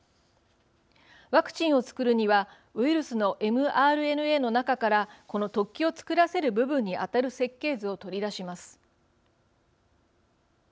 ワクチンを作るにはウイルスのｍＲＮＡの中からこの突起を作らせる部分に当たる設計図を取り出します。